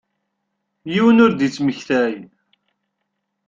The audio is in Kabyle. Yiwen ur d-ittmektay.